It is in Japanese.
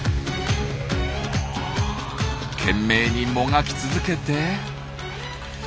懸命にもがき続けて。